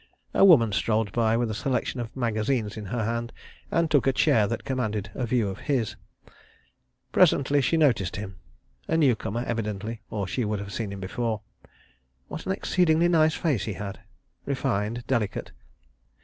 ... A woman strolled by with a selection of magazines in her hand, and took a chair that commanded a view of his. Presently she noticed him. ... A new comer evidently, or she would have seen him before. ... What an exceedingly nice face he had—refined, delicate.